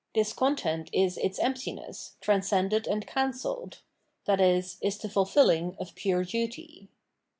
This content is its emptiness, transcended and cancelled, i.e. is the fulfilling of pure duty.